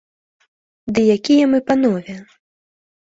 Ды якія мы панове!